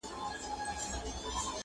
په سر اخستی لکه خلی وي گرداب سړی